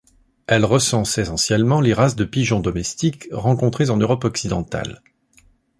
Elle recense essentiellement les races de pigeon domestique rencontrées en Europe occidentale.